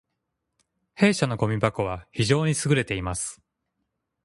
弊社のごみ箱は非常に優れています